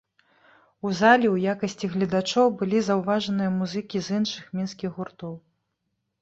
У залі ў якасці гледачоў былі заўважаныя музыкі з іншых мінскіх гуртоў.